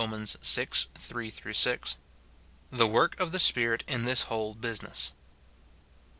vi. 3 6 — The work of the Spi rit in this whole business.